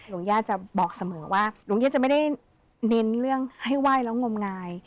ญาติจะบอกเสมอว่าหลวงญาติจะไม่ได้เน้นเรื่องให้ไหว้แล้วงมงาย